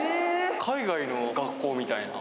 海外の学校みたいな。